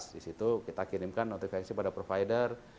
di situ kita kirimkan notifikasi pada provider